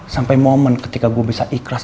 sampai momen ketika gue bisa ikhlas